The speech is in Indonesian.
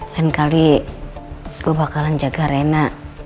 kali gue bakalan jaga reina